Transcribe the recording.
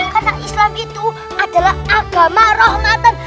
karena islam itu adalah agama rohmatan